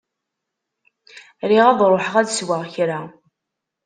Riɣ ad ṛuḥeɣ ad sweɣ kra.